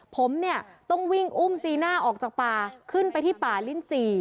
ผมเนี่ยต้องวิ่งอุ้มจีน่าออกจากป่าขึ้นไปที่ป่าลิ้นจี่